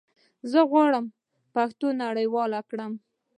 زه غواړم پښتو نړيواله کړم